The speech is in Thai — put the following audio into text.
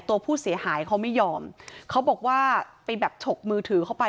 ตัวผู้เสียหายเขาไม่ยอมเขาบอกว่าไปแบบฉกมือถือเข้าไป